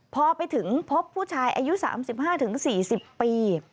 พอไปถึงพบผู้ชายอายุ๓๕๔๐ปี